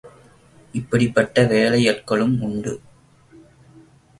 இப்படிப்பட்ட வேலையாட்களும் உண்டு.